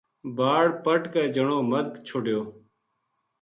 باڑ پَٹ کے جنو مدھ چھوڈیو